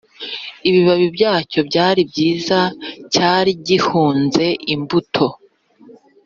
Ibibabi byacyo byari byiza cyari gihunze imbuto